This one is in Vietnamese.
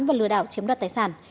và lừa đảo chiếm đoạt tài sản